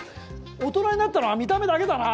大人になったのは見た目だけだな。